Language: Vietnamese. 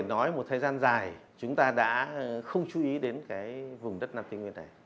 có thể nói một thời gian dài chúng ta đã không chú ý đến vùng đất nam kinh nguyên này